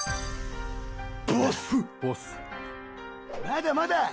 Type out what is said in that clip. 「まだまだ！」